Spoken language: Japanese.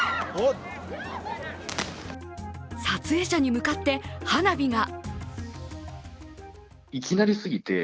撮影者に向かって花火が。